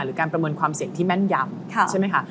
หรือการประเมินความเสี่ยงที่แม่นยำ